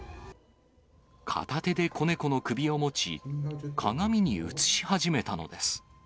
片手で子猫の首を持ち、鏡に映し始めたのです。